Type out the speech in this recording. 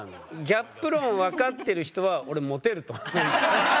ギャップ論分かってる人は俺モテると思う。